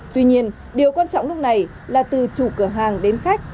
tuy nhiên điều quan trọng lúc này là từ chủ cửa hàng đến khách